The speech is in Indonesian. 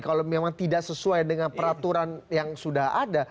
kalau memang tidak sesuai dengan peraturan yang sudah ada